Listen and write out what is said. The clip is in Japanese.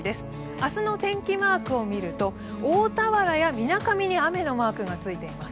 明日の天気マークを見ると大田原やみなかみに雨のマークがついています。